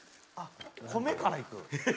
米からいく？